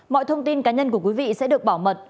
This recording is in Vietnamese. mọi thông tin cá nhân của quý vị sẽ được bảo mật